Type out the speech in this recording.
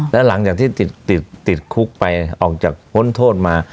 แล้วหลังจากที่ติดคุกไปออกจากพ้นโทษมา